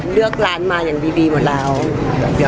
เพราะของพี่ชายมา